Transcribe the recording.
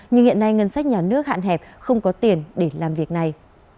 nhưng hiện nay ngân sách nhà nước hạn hẹp không có tiền để làm việc này